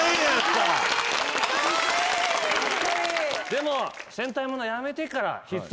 でも。